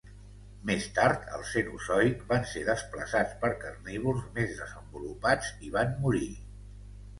Més tard, al Cenozoic, van ser desplaçats per carnívors més desenvolupats i van morir.